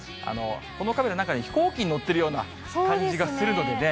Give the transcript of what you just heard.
このカメラ、なんか飛行機に乗ってるような感じがするのでね。